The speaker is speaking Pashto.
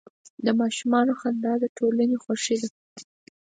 د ماشومانو خندا د ټولنې خوښي ده.